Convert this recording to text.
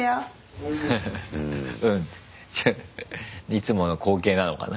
いつもの光景なのかな。